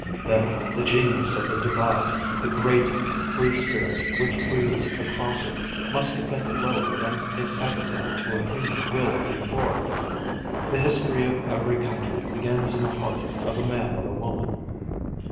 Then the Genius of the Divide, the great, free spirit which breathes across it, must have bent lower than it ever bent to a human will before. The history of every country begins in the heart of a man or a woman.